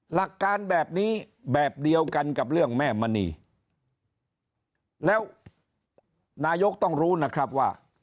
หลักการแบบนี้แบบเดียวกันกับเรื่องแม่มณีแล้วนายกต้องรู้นะครับว่า